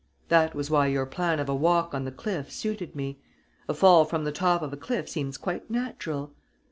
That was why your plan of a walk on the cliff suited me.... A fall from the top of a cliff seems quite natural